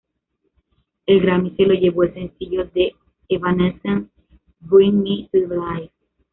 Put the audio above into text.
El Grammy se lo llevó el sencillo de Evanescence, "Bring Me to Life".